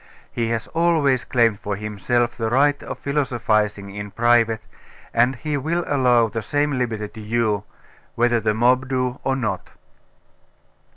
He has always claimed for himself the right of philosophising in private, and he will allow the same liberty to you' whether the mob do or not.